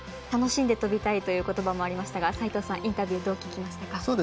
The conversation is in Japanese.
楽しんで飛びたいということばもありましたが齋藤さん、インタビューどう聞きましたか？